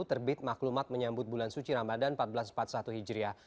terbit maklumat menyambut bulan suci ramadan seribu empat ratus empat puluh satu hijriah